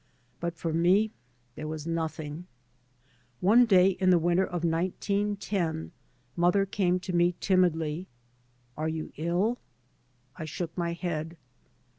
But for me — there was nothing. One day in the winter of 1910 mother came to me to say timidly, "Are you ill?" ■ I shook my head.